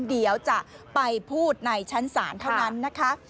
เดี๋ยวจะไปพูดในชั้นศาลเท่านั้นนะคะ